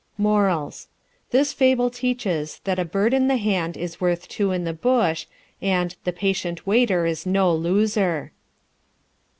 MORALS: This Fable teaches that a Bird In The Hand is worth Two In The Bush, and The Patient Waiter Is No Loser.